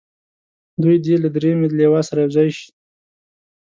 دوی دې له دریمې لواء سره یو ځای شي.